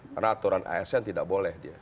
karena aturan asn tidak boleh